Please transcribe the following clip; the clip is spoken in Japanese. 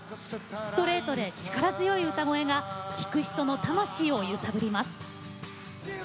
ストレートで力強い歌声が聴く人の魂を揺さぶります。